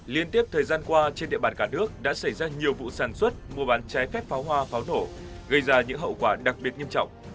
liên tiếp thời gian qua trên địa bàn cả nước đã xảy ra nhiều vụ sản xuất mua bán trái phép pháo hoa pháo nổ gây ra những hậu quả đặc biệt nghiêm trọng